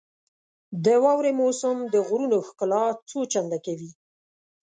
• د واورې موسم د غرونو ښکلا څو چنده کوي.